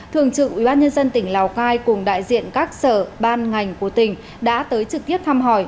thường trực ubnd tỉnh lào cai cùng đại diện các sở ban ngành của tỉnh đã tới trực tiếp thăm hỏi